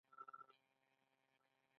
تر دریو ورځو وروسته میلمه د کور غړی ګڼل کیږي.